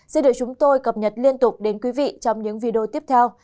sẽ được chúng tôi cập nhật liên tục đến quý vị trong những video tiếp theo